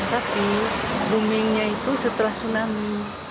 tapi boomingnya itu setelah tsunami